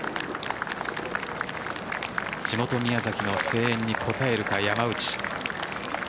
地元・宮崎の声援に応えるか山内。